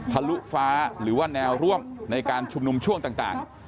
ทะลุฟ้าหรือว่าแนวร่วมในการชุมนุมช่วงต่าง